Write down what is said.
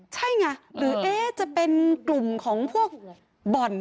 ใช่ไงหรือจะเป็นกลุ่มของพวกบ่อน